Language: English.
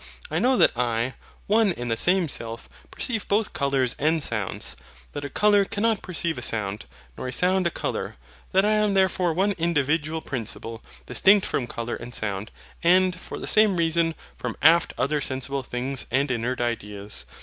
I know that I, one and the same self, perceive both colours and sounds: that a colour cannot perceive a sound, nor a sound a colour: that I am therefore one individual principle, distinct from colour and sound; and, for the same reason, from aft other sensible things and inert ideas.